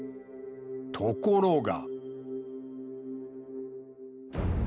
ところが。